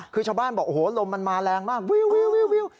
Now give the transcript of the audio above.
คือชาวบ้านบอกโอ้โหลมมันมาแรงมากวิว